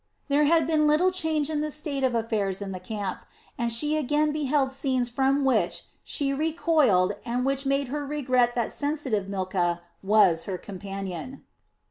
There had been little change in the state of affairs in the camp, and she again beheld scenes from which she recoiled and which made her regret that the sensitive Milcah was her companion.